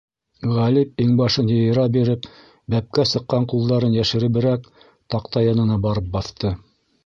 Ғалип иңбашын йыйыра биреп, бәпкә сыҡҡан ҡулдарын йәшереберәк, таҡта янына барып баҫты.